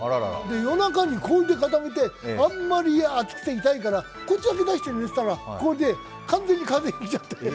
夜中に氷で固めてあまり熱くて痛いら、こっちだけ出して寝てたら氷で、完全に風邪ひいちゃった。